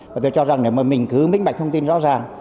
và tôi cho rằng nếu mà mình cứ minh bạch thông tin rõ ràng